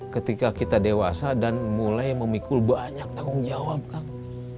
ketika kita dewasa dan mulai memikul banyak tanggung jawab kang